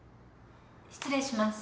・失礼します。